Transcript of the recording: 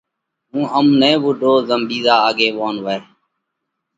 هُون ام نھ وُوڍو زم ٻِيزا آڳيوون وئھ۔